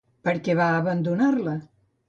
Per què va abandonar-la?